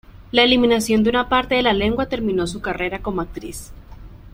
La eliminación de una parte de la lengua terminó su carrera como actriz.